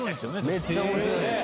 めっちゃ面白いです。